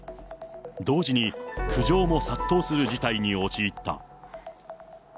同時に苦情も殺到する事態に陥った。